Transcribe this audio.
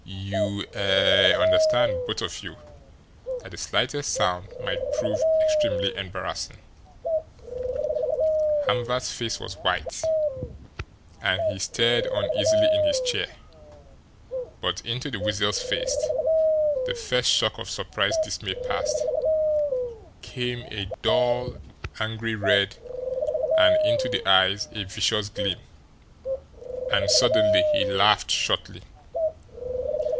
You er understand, both of you, that the slightest sound might prove extremely embarrassing." Hamvert's face was white, and he stirred uneasily in his chair; but into the Weasel's face, the first shock of surprised dismay past, came a dull, angry red, and into the eyes a vicious gleam and suddenly he laughed shortly.